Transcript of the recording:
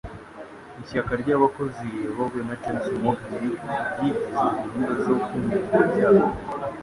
Ishyaka ry'abakozi riyobowe na James Morgan, ryize gahunda zo gukumira ibyaha